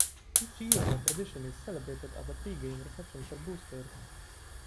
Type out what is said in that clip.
Each year the tradition is celebrated at a pre-game reception for boosters.